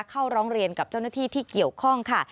เข้าร้องเรียนกับเจ้าหน้าที่ที่เกี่ยวข้องค่ะ